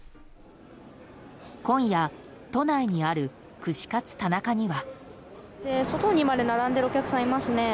今夜、都内にある串カツ田中には。